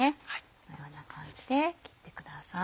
このような感じで切ってください。